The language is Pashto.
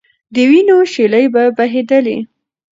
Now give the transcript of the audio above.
د وینو شېلې به بهېدلې.